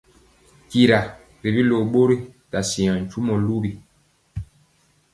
Tyira tibi ló bori ta siaŋ tyumɔ luwi.